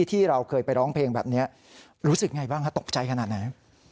ที่เราเคยไปร้องเพลงแบบนี้รู้สึกไงบ้างฮะตกใจขนาดไหน